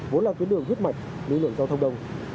vốn là tuyến đường huyết mạch lưu lượng giao thông đông